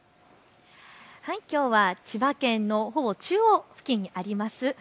きょうは千葉県のほぼ中央付近にあります